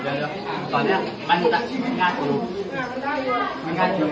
ถ้าอยากดูรับสร้างเสื้อ